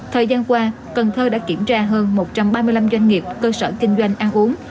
thời gian qua cần thơ đã kiểm tra hơn một trăm ba mươi năm doanh nghiệp cơ sở kinh doanh ăn uống